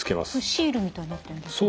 シールみたいになってんですかね。